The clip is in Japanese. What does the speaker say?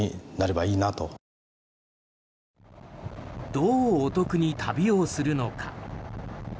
どうお得に旅をするのか。